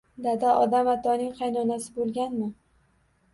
- Dada, Odam Atoning qaynonasi bo'lganmi?